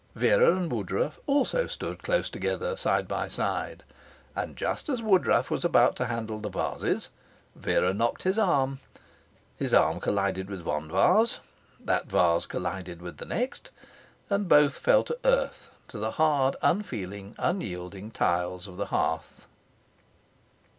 Vera and Woodruff also stood close together side by side. And just as Woodruff was about to handle the vases, Vera knocked his arm; his arm collided with one vase; that vase collided with the next, and both fell to earth to the hard, unfeeling, unyielding tiles of the hearth.